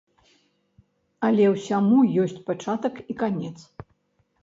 Але ўсяму ёсць пачатак і канец.